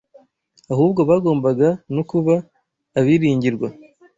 ahubwo bagombaga no kuba abiringirwa